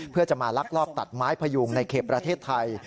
เพื่อจะมาลักลอบตัดไม้พยุงในเขตประเทศไทย